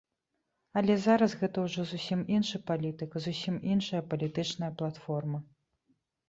Але зараз гэта ўжо зусім іншы палітык, зусім іншая палітычная платформа.